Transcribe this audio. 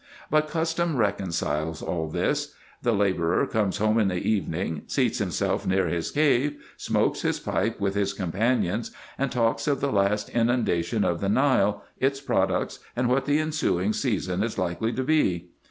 But custom reconciles all this. The labourer comes home in the evening, seats himself near his cave, smokes his pipe with his companions, and talks of the last inundation of the Nile, its products, and what the ensuing season is likely to be.